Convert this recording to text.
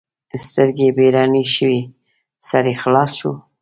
سترګې یې رڼې شوې؛ سر یې خلاص شو.